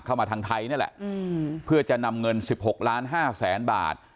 เข้ามาทางไทยนั่นแหละอืมเพื่อจะนำเงินสิบหกล้านห้าแสนบาท